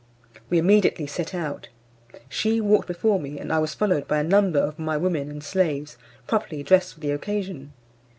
We immediately set out; she walked before me, and I was followed by a number of my women and slaves properly dressed for the occasion.